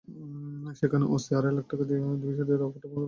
সেখানে ওসি আড়াই লাখ টাকা দিয়ে বিষয়টি রফা করে ফেলতে চাপ দেন।